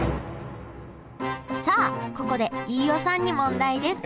さあここで飯尾さんに問題です！えっ！？